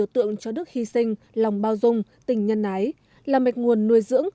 tượng cho đức hy sinh lòng bao dung tình nhân ái là mạch nguồn nuôi dưỡng